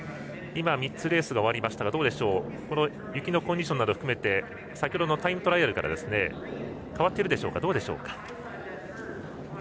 ３つレースが終わりましたがどうでしょう雪のコンディションなど含めて先ほどのタイムトライアルから変わっているでしょうか。